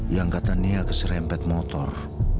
yang kata nia keserempet motor